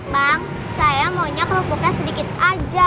bang saya maunya kerupuknya sedikit aja